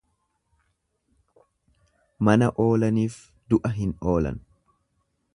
Mana oolaniif du'a hin oolan.